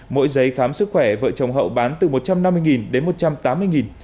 mỗi giấy khám sức khỏe vợ chồng hậu bán từ một trăm năm mươi đến một trăm tám mươi đồng